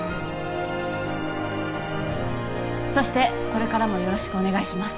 そしてこれからもよろしくお願いします